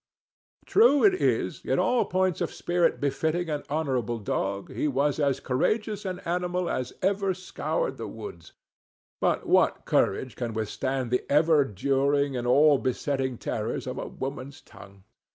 True it is, in all points of spirit befitting an honorable dog, he was as courageous an animal as ever scoured the woods—but what courage can withstand the ever during and all besetting terrors of a woman's tongue?